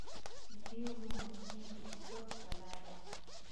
د پیغلو منګي د ګودر ښکلا ده.